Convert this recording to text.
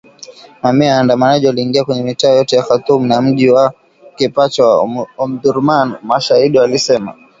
Mamia ya waandamanaji waliingia kwenye mitaa yote ya Khartoum na mji wake pacha wa Omdurman mashahidi walisema